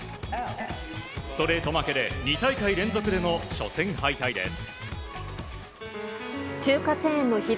ストレート負けで２大会連続での初戦敗退です。